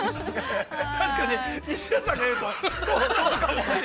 確かに西田さんが言うと、そうかもって。